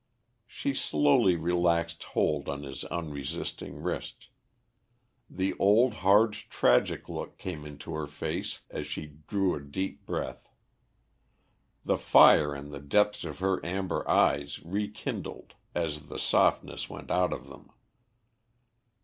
She slowly relaxed her hold on his unresisting wrist. The old, hard, tragic look came into her face as she drew a deep breath. The fire in the depths of her amber eyes rekindled, as the softness went out of them.